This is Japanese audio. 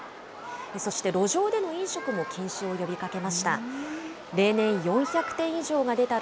そして、路上での飲食も禁止を呼びかけました。